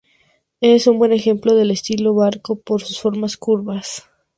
Es un buen ejemplo del estilo "barco" por sus formas curvas.